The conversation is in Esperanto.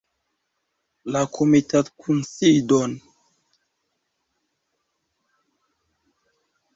La komitatkunsidon!